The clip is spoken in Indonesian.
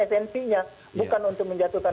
smp nya bukan untuk menjatuhkan